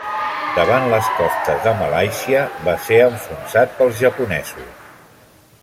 Davant les costes de Malàisia, va ser enfonsat pels japonesos.